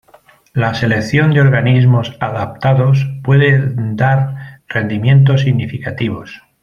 La selección de organismos adaptados pueden dar rendimientos significativos.